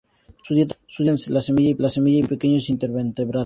Su dieta consiste de semillas y pequeños invertebrados.